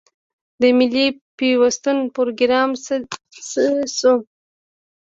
د ملي پیوستون پروګرام څه شو؟